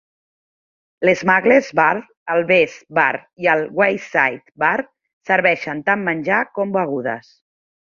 L'Smugglers Bar, el Best Bar i el Wayside Bar serveixen tant menjar com begudes.